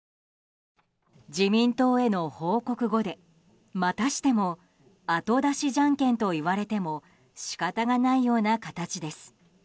自民党への報告後で、またしても後出しジャンケンと言われても仕方がないような形です。